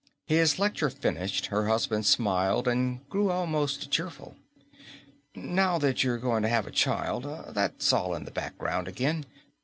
His lecture finished, her husband smiled and grew almost cheerful. "Now that you're going to have a child, that's all in the background again.